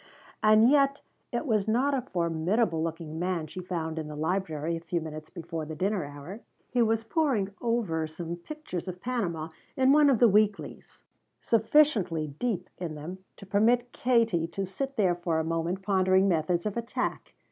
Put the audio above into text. And yet it was not a formidable looking man she found in the library a few minutes before the dinner hour. He was poring over some pictures of Panama in one of the weeklies, sufficiently deep in them to permit Katie to sit there for the moment pondering methods of attack.